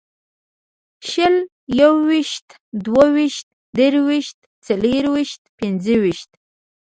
شل یوویشت دوهویشت درویشت څلېرویشت پنځهویشت